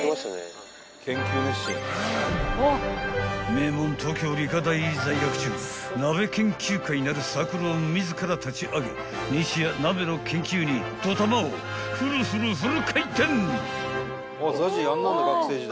［名門東京理科大在学中鍋研究会なるサークルを自ら立ちあげ日夜鍋の研究にどたまをフルフルフル回転］